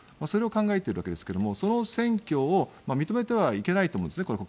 それを考えているわけですがその選挙を認めてはいけないと思うんです。